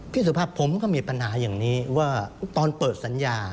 สุภาพผมก็มีปัญหาอย่างนี้ว่าตอนเปิดสัญญา